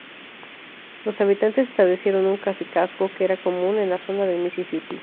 Los habitantes establecieron un cacicazgo, que era común en la zona del Mississippi.